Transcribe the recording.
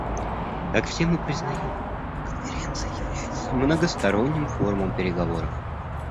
Как все мы признаем, Конференция является многосторонним форумом переговоров.